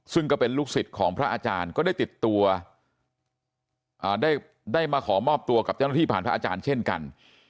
ซึ่งก็เป็นลูกศิษย์ของพระอาจารย์ก็ได้ติดตัวได้มาขอมอบตัวกับเจ้าหน้าที่ผ่านพระอาจารย์เช่นกัน